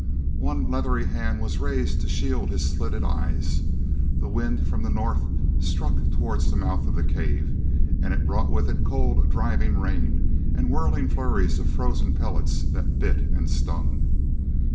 One leathery hand was raised to shield his slitted eyes; the wind from the north struck toward the mouth of the cave, and it brought with it cold driving rain and whirling flurries of frozen pellets that bit and stung.